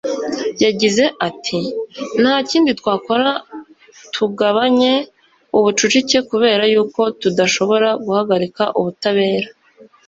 Yagize ati: "Nta kindi twakora ngo tugabanye ubucucike kubera yuko tudashobora guhagarika ubutabera.